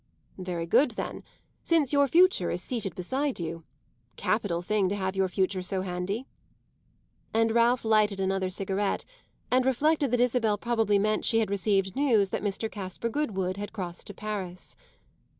"Very good, then, since your future is seated beside you. Capital thing to have your future so handy." And Ralph lighted another cigarette and reflected that Isabel probably meant she had received news that Mr. Caspar Goodwood had crossed to Paris.